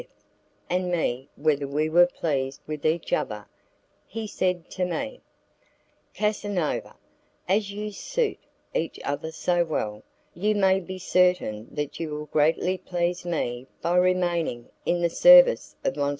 F and me whether we were pleased with each other, he said to me, "Casanova, as you suit each other so well, you may be certain that you will greatly please me by remaining in the service of M. F."